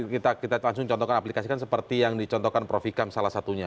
kita langsung contohkan aplikasikan seperti yang dicontohkan prof ikam salah satunya